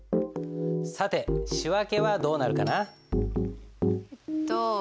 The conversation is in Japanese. さて仕訳はどうなるかな？